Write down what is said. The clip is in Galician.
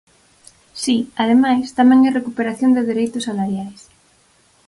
Si, ademais, tamén é recuperación de dereitos salariais.